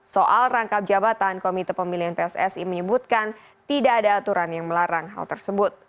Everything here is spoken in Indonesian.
soal rangkap jabatan komite pemilihan pssi menyebutkan tidak ada aturan yang melarang hal tersebut